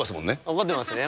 怒ってますね。